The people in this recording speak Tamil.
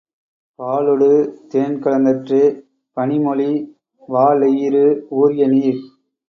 பாலொடு தேன்கலந் தற்றே பணிமொழி வாலெயிறு ஊறிய நீர்.